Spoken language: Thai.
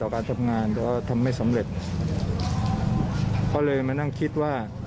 ข้างหน้าค่ะ